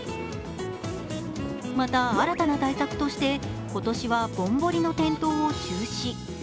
また、新たな対策として、今年はぼんぼりの点灯を中止。